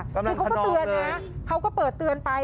คือเขาก็เตือนนะเขาก็เปิดเตือนไป